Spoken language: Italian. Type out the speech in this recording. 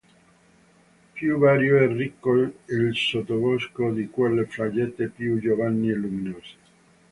Più vario e ricco il sottobosco di quelle faggete più giovani e luminose.